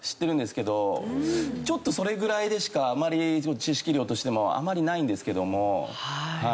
ちょっとそれぐらいでしかあまり知識量としてもあまりないんですけども。